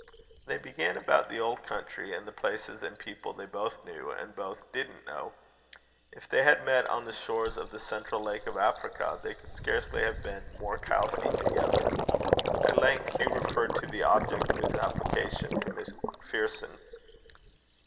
They began about the old country, and the places and people they both knew, and both didn't know. If they had met on the shores of the central lake of Africa, they could scarcely have been more couthy together. At length Hugh referred to the object of his application to MacPherson.